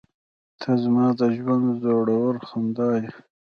• ته زما د ژونده زړور خندا یې.